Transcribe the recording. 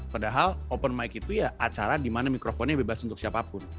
padahal open mic itu ya acara di mana mikrofonnya bebas untuk siapapun